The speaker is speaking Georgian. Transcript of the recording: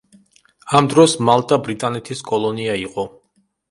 ამ დროს მალტა ბრიტანეთის კოლონია იყო.